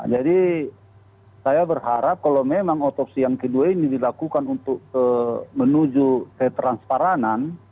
jadi saya berharap kalau memang otopsi yang kedua ini dilakukan untuk menuju ke transparanan